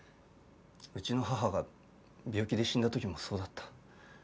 うちの母が病気で死んだ時もそうだった。